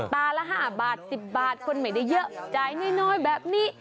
ละ๕บาท๑๐บาทคนไม่ได้เยอะจ่ายน้อยแบบนี้